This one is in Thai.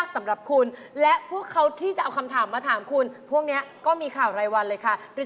ด้านแบบปกติแล้วชอบพากันไปช้อปปิ้งไปซื้ออะไรกัน